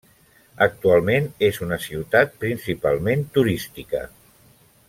Actualment és una ciutat principalment turística.